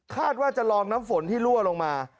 คาดว่าจะลองน้ำฝนที่รั่วลงมา